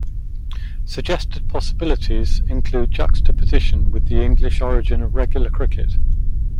Suggested possibilities include juxtaposition with the English origin of regular cricket.